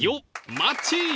マッチ！